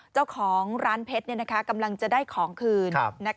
เจ้าของร้านเพชรกำลังจะได้ของคืน